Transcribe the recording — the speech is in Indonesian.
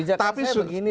bijaknya saya begini begini